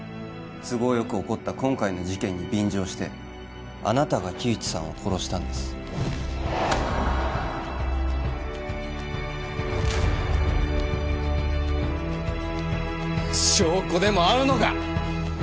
都合よく起こった今回の事件に便乗してあなたが木内さんを殺したんです証拠でもあるのか！